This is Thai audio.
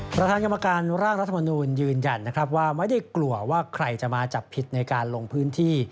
ประธานกรรมการร่างรัฐมนูลยืนยันนะครับว่าไม่ได้กลัวว่าใครจะมาจับผิดในการลงพื้นที่